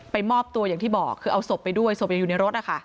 มอบตัวอย่างที่บอกคือเอาศพไปด้วยศพยังอยู่ในรถนะคะ